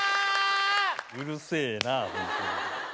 うるせえなホントに。